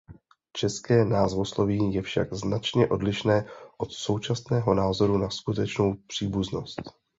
České názvosloví je však značně odlišné od současného názoru na skutečnou příbuznost.